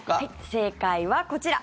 正解はこちら。